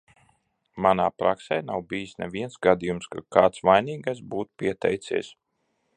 Manā praksē nav bijis neviens gadījums, kad kāds vainīgais būtu pieteicies.